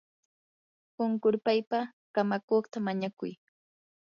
qunqurpaypa kamakuqta mañakuy.